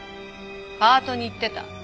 パートに行ってた。